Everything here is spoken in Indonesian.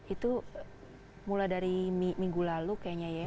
itu mulai dari minggu lalu kayaknya ya